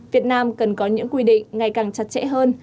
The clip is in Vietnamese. việt nam cần có những quy định ngày càng chặt chẽ hơn